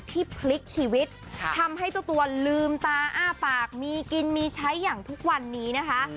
พลิกชีวิตทำให้เจ้าตัวลืมตาอ้าปากมีกินมีใช้อย่างทุกวันนี้นะคะ